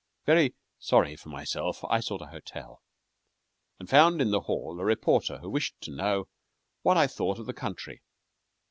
Very sorry for myself, I sought a hotel, and found in the hall a reporter who wished to know what I thought of the country.